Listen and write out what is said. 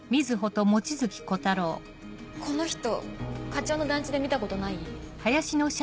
この人課長の団地で見たことない？